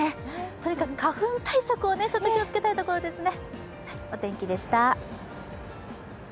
とにかく花粉対策を気を付けたいところですね。